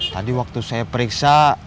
tadi waktu saya periksa